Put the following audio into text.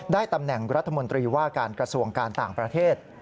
ตำแหน่งรัฐมนตรีว่าการกระทรวงการต่างประเทศ